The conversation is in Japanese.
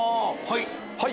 はい！